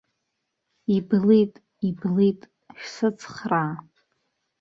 Иблит, иблит, шәсырцхраа!